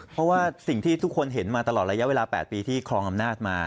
เพราะว่าสิ่งที่ทุกคนเห็นมาตลอดระยะเวลา๘ปีที่ครองอำนาจมา